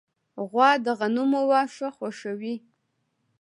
غوا د غنمو واښه خوښوي.